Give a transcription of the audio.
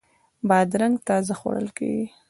بادرنګ تازه خوړل کیږي.